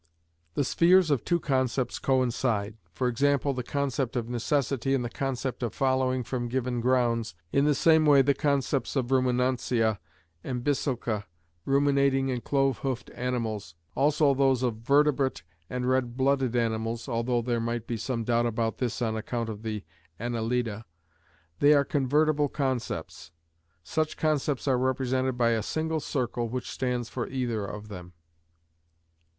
The spheres of two concepts coincide: for example the concept of necessity and the concept of following from given grounds, in the same way the concepts of Ruminantia and Bisulca (ruminating and cloven hoofed animals), also those of vertebrate and red blooded animals (although there might be some doubt about this on account of the annelida): they are convertible concepts. Such concepts are represented by a single circle which stands for either of them.